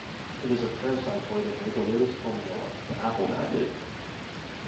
It is a parasitoid of "Rhagoletis pomonella", the apple maggot.